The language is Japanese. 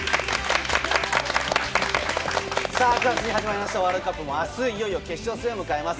９月に始まりましたワールドカップも明日、いよいよ決勝戦を迎えます。